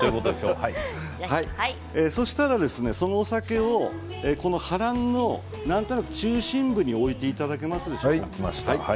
そうしたら、そのお酒をこのハランのなんとなく中心部に置いていただけますでしょうか。